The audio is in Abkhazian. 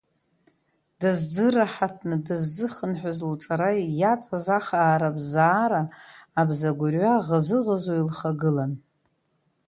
Дыззыраҳаҭны дыззыхынҳәыз лҿара иаҵаз ахаара-бзара абзагәырҩа ӷызы-ӷызуа илхагылан.